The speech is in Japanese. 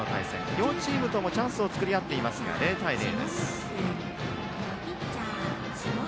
両チームともチャンスを作り合っていますが０対０です。